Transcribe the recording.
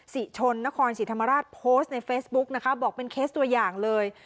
ศรีชนนครศรีธรรมราชโพสต์ในเฟซบุ๊กนะคะบอกเป็นเคสตัวอย่างเลย